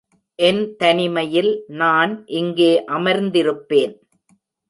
என் தனிமையில் நான் இங்கே அமர்ந்திருப்பேன்.